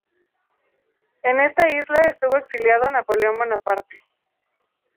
En esta isla estuvo exiliado Napoleón Bonaparte.